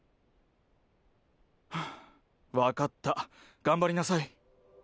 ハァわかった頑張りなさい。